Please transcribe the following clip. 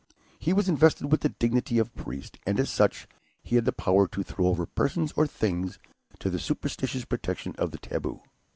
He was invested with the dignity of priest, and, as such, he had the power to throw over persons or things the superstitious protection of the "taboo."